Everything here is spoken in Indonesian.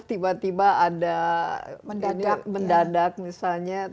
tiba tiba ada mendadak misalnya